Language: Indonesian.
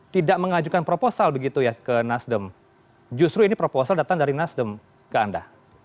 tidak mengajukan proposal begitu ya ke nasdem justru ini proposal datang dari nasdem ke anda